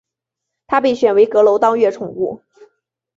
他被选为阁楼当月宠物。